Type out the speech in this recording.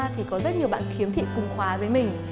thì có rất nhiều bạn khiếm thị cùng khóa với mình